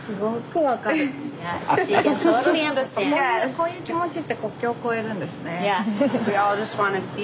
こういう気持ちって国境超えるんですねえ。